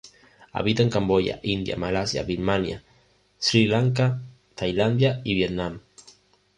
Habita en Camboya, India, Malasia, Birmania, Sri Lanka, Tailandia y Vietnam.